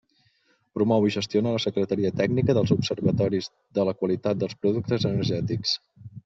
Promou i gestiona la Secretaria Tècnica dels Observatoris de la Qualitat dels productes energètics.